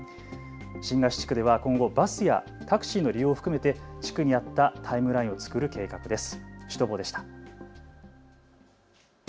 新河岸地区では今後、バスやタクシーの利用を含めて地区にあったタイムラインを作る計画です。